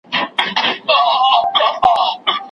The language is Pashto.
دوی خپله سرمایه په سمه توګه نه کاروي.